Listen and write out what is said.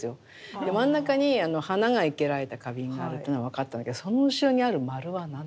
真ん中に花が生けられた花瓶があるというのは分かったんだけどその後ろにあるまるは何だ？